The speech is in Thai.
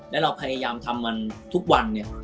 แล้วเราพยายามทำมันทุกวันเนี่ย